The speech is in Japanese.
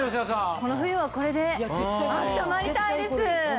この冬はこれで暖まりたいです！